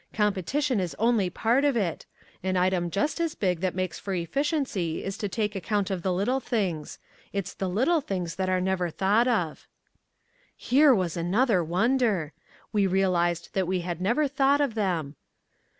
Competition is only part of it. An item just as big that makes for efficiency is to take account of the little things. It's the little things that are never thought of." Here was another wonder! We realized that we had never thought of them.